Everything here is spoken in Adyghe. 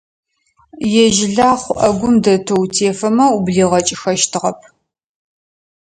Ежь Лахъу Ӏэгум дэтэу утефэмэ, ублигъэкӀыхэщтыгъэп.